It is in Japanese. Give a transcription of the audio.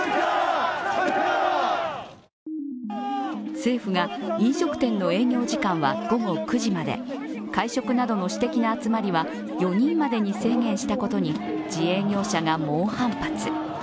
政府が飲食店の営業時間は午後９時まで、会食などの私的な集まりは４人までに制限したことに自営業者が猛反発。